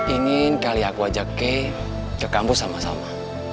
ingin kali aku ajak ke kampus sama sama